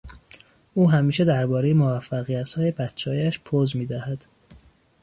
او همیشه دربارهی موفقیتهای بچههایش پز میدهد.